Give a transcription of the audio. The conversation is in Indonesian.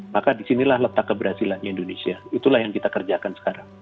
maka disinilah letak keberhasilannya indonesia itulah yang kita kerjakan sekarang